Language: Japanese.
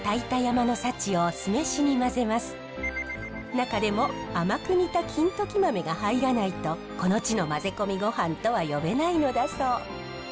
中でも甘く煮た金時豆が入らないとこの地の混ぜ込みごはんとは呼べないのだそう。